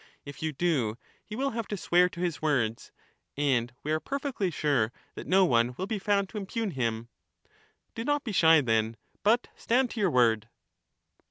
If you do, he will have to swear to his words ; and we not. are perfectly sure that no one will be found to unpugn him. Do not be shy then, but stand to your word.